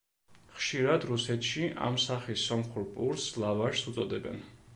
ხშირად, რუსეთში, ამ სახის სომხურ პურს ლავაშს უწოდებენ.